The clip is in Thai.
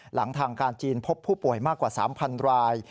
หลังทางการจีนพบผู้ป่วยมากกว่า๓๐๐ราย